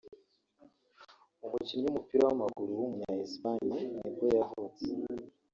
umukinnyi w’umupira w’amaguru w’umunya Espagne nibwo yavutse